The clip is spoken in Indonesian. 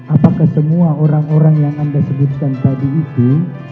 apakah semua orang orang yang anda sebutkan tadi itu